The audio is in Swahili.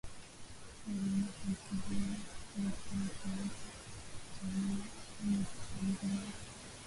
ka ulemavu msikilizaji haiwezi kuwa kikwazo cha mtu kuchangua ama kuchaguliwa